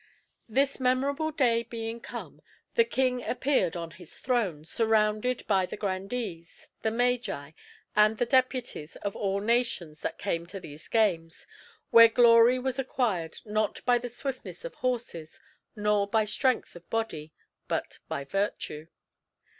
This memorable day being come, the king appeared on his throne, surrounded by the grandees, the magi, and the deputies of all nations that came to these games, where glory was acquired not by the swiftness of horses, nor by strength of body, but by virtue.